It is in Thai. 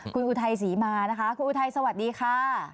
คุณอุทัยศรีมานะคะคุณอุทัยสวัสดีค่ะ